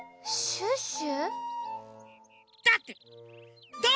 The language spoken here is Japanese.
シュッシュ！